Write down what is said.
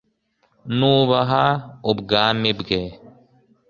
Nubaha ubwami bwe